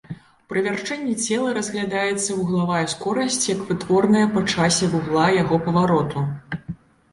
Пры вярчэнні цела разглядаецца вуглавая скорасць як вытворная па часе вугла яго павароту.